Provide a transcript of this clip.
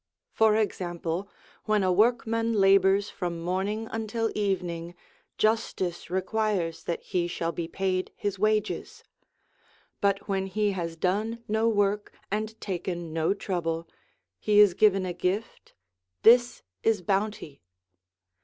For example, when a work man labours from morning until evening, justice requires that he shall be paid his wages ; but when he has done no work and taken no trouble, he is given a gift, this is bounty.